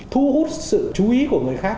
thu hút sự chú ý của người khác